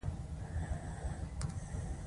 ځنګلونه د نړۍ شنه زړه بلل کېږي.